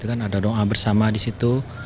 ada doa bersama di situ